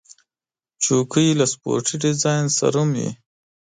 چوکۍ له سپورټي ډیزاین سره هم وي.